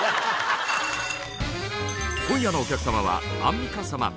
今夜のお客様はアンミカ様。